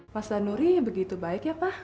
mas danuri begitu baik ya pak